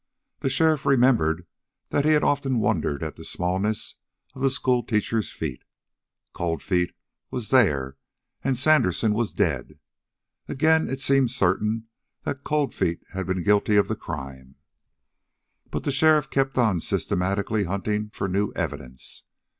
The sheriff remembered that he had often wondered at the smallness of the schoolteacher's feet. Cold Feet was there, and Sandersen was dead. Again it seemed certain that Cold Feet had been guilty of the crime, but the sheriff kept on systematically hunting for new evidence.